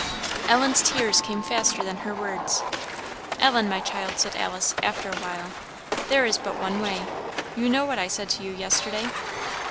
Ellen's tears came faster than her words. "Ellen, my child," said Alice, after a while, "There is but one way. You know what I said to you yesterday?"